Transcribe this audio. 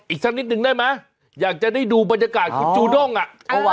อีกสักนิดนึงได้ไหมอยากจะได้ดูบรรยากาศคุณจูด้งอ่ะ